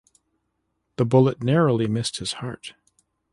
The bullet narrowly missing his heart.